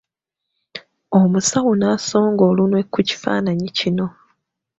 Omusawo n'asonga olunwe ku kifaananyi kino.